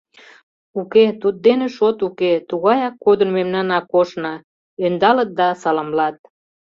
— Уке, туддене шот уке, тугаяк кодын мемнан Акошна, — ӧндалыт да саламлат.